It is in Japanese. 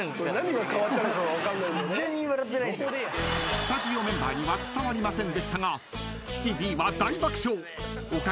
［スタジオメンバーには伝わりませんでしたが］